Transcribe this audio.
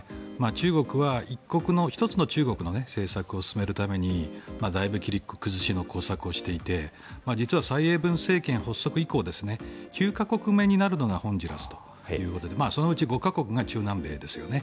中国は、一国の一つの中国の政策を進めるためにだいぶ切り崩しの工作をしていて実は蔡英文政権発足以降９か国目になるのがホンジュラスということでそのうち５か国が中南米ですよね。